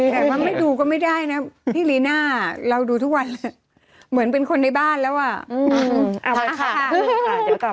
แต่ว่าไม่ดูก็ไม่ได้นะพี่ลีน่าเราดูทุกวันเหมือนเป็นคนในบ้านแล้วอ่ะ